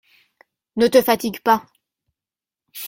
Ne te fatigue pas.